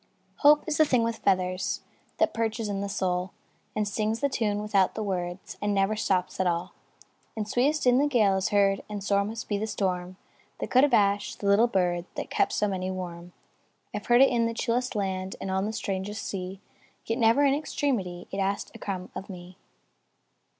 Hope is the thing with feathers That perches in the soul, And sings the tune without the words, And never stops at all, And sweetest in the gale is heard; And sore must be the storm That could abash the little bird That kept so many warm. I 've heard it in the chillest land, And on the strangest sea; Yet, never, in extremity, It asked a crumb of me.